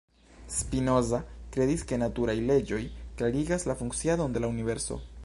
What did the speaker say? Spinoza kredis ke naturaj leĝoj klarigas la funkciadon de la universo.